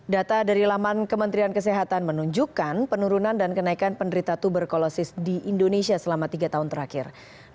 data dari laman kementerian kesehatan menunjukkan penurunan dan kenaikan penderita tuberkulosis di indonesia selama tiga tahun terakhir